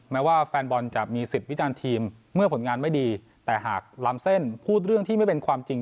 แม้ว่าแฟนบอลจะมีสิทธิ์วิจารณ์ทีมเมื่อผลงานไม่ดีแต่หากล้ำเส้นพูดเรื่องที่ไม่เป็นความจริง